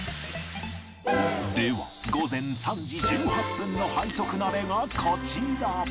では午前３時１８分の背徳鍋がこちら